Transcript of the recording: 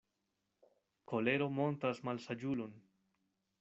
Kolero montras malsaĝulon.